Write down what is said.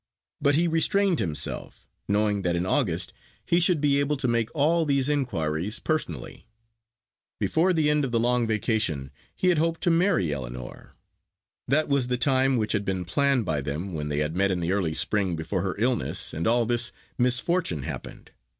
But he restrained himself, knowing that in August he should be able to make all these inquiries personally. Before the end of the long vacation he had hoped to marry Ellinor: that was the time which had been planned by them when they had met in the early spring before her illness and all this misfortune happened.